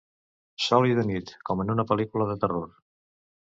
Sola i de nit, com en una pel·lícula de terror.